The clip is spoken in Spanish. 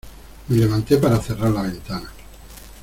me levanté para cerrar la ventana.